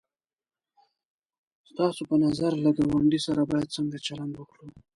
ستاسو په نظر له گاونډي سره باید څنگه چلند وکړو؟